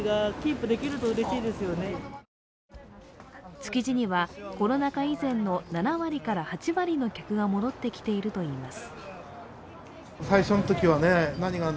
築地にはコロナ禍以前の７割から８割の客が戻ってきているといいます。